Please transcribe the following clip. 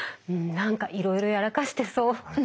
何かいろいろやらかしてそう。